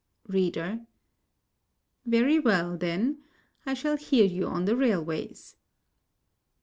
READER: Very well, then, I shall hear you on the railways.